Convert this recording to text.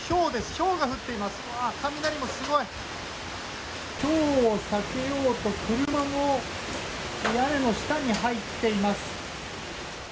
ひょうを避けようと車の屋根の下に入っています。